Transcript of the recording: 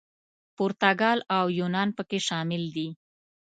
پرتګال او یونان پکې شامل دي.